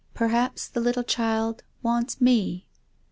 " Per haps the little child wants me."